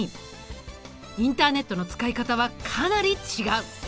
インターネットの使い方はかなり違う。